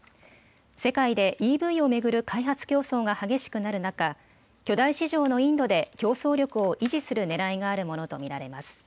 世界でＥＶを巡る開発競争が激しくなる中、巨大市場のインドで競争力を維持するねらいがあるものと見られます。